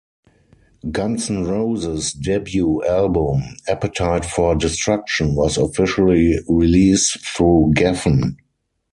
Guns N' Roses' debut album, "Appetite for Destruction", was officially released through Geffen.